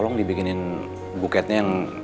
saya dibikinin tiga ratus tangkai bunga